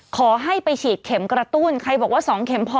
ขอให้ไปฉีดเข็มกระตุ้นใครบอกว่า๒เข็มพอ